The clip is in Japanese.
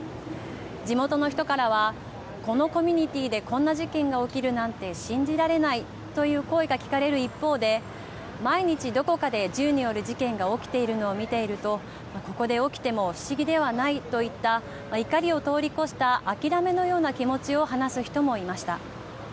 地元の人からはこのコミュニティーでこんな事件が起きるなんて信じられないという声が聞かれる一方で毎日どこかで銃による事件が起きているのを見ているとここで起きても不思議ではないといった怒りを通り越した諦めのような気持ちを話す人もいました。